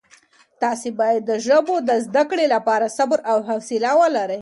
تاسي باید د ژبو د زده کړې لپاره صبر او حوصله ولرئ.